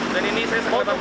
dan ini saya sekelipat mata